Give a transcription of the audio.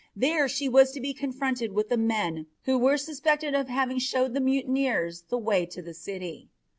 There she was to be confronted with the men who were suspected of having showed the mutineers the way to the city.